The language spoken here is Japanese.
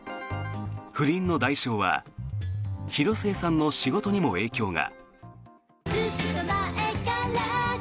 不倫の代償は広末さんの仕事にも影響が。